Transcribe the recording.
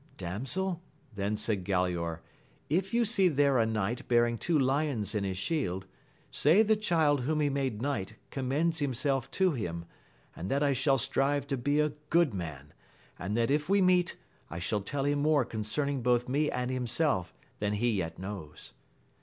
Damsel, then said Galaor, if you see there a knight bearing two Uons in his shield, say the child whom he made knight commends himself to him, and that I shall strive to be a good man, and that if we meet I shall tell him more concerning both me and himself than he yet knows.